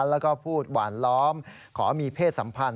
แล้วก็พูดหวานล้อมขอมีเพศสัมพันธ